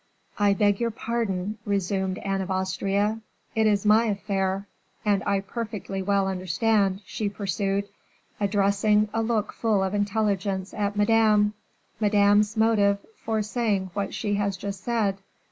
"I beg your pardon," resumed Anne of Austria, "it is my affair. And I perfectly well understand," she pursued, addressing a look full of intelligence at Madame, "Madame's motive for saying what she has just said."